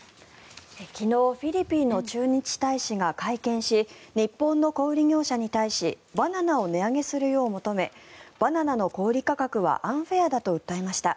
昨日フィリピンの駐日大使が会見し飲食店の小売業者に対しバナナを値上げするよう求めバナナの購入価格はアンフェアだと訴えました。